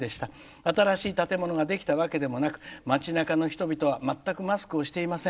新しい建物ができたわけでもなく町なかの人々はマスクを全くしていません。